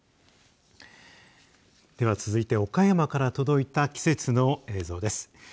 では続いて岡山から届いた季節の映像です。